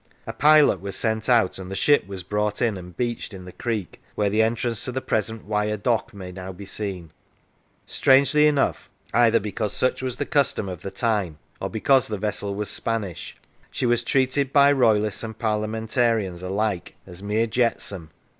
A pilot was sent out, and the ship was brought in and beached in the creek where the entrance to the present Wyre dock may now be seen. Strangely enough either because such was the custom of the time, or because the vessel was Spanish she was treated by Royalists and Parliamentarians alike as mere jetsam.